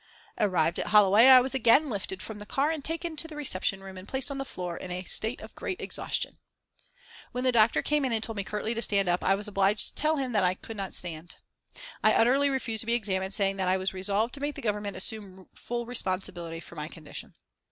Arrived at Holloway I was again lifted from the car and taken to the reception room and placed on the floor in a state of great exhaustion. When the doctor came in and told me curtly to stand up I was obliged to tell him that I could not stand. I utterly refused to be examined, saying that I was resolved to make the Government assume full responsibility for my condition.